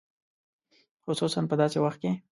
خصوصاً په داسې وخت کې.